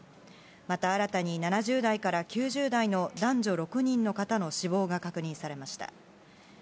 また、新たに７０代から９０代の男女６人の方の死亡が確認されました。